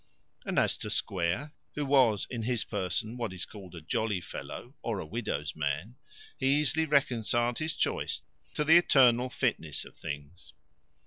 And as to Square, who was in his person what is called a jolly fellow, or a widow's man, he easily reconciled his choice to the eternal fitness of things.